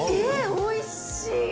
おいしい！